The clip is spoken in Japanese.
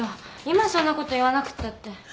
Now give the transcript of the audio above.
今そんなこと言わなくたって。